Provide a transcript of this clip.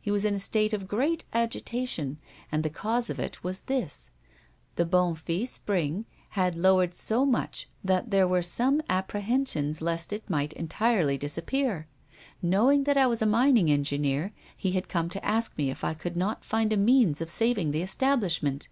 He was in a state of great agitation, and the cause of it was this: the Bonnefille Spring had lowered so much that there were some apprehensions lest it might entirely disappear. Knowing that I was a mining engineer, he had come to ask me if I could not find a means of saving the establishment.